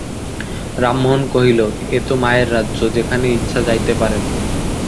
রামমোহন কহিল, এ তো মায়ের রাজ্য, যেখানে ইচ্ছা যাইতে পারেন।